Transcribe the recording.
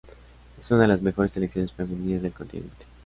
Es una de las mejores selecciones femeninas del continente.